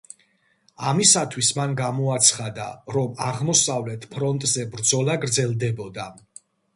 ამისათვის მან გამოაცხადა, რომ აღმოსავლეთ ფრონტზე ბრძოლა გრძელდებოდა.